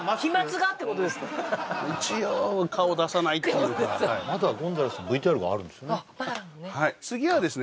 一応顔出さないっていうかはいまだゴンザレスさんＶＴＲがあるんですよね